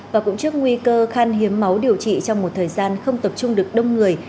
và cũng trước nguy cơ khan hiếm máu điều trị trong một thời gian không tập trung được đông người